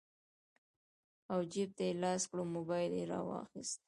او جېب ته يې لاس کړو موبايل يې رواخيست